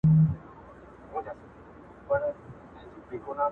زه کله د اُلفت د مېکدو لېونے نه وم